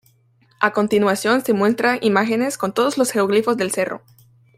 A continuación se muestran imágenes con todos los geoglifos del cerro.